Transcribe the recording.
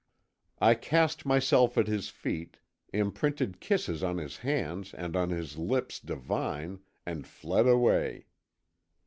I cast myself at his feet, imprinted kisses on his hands and on his lips divine, and fled away....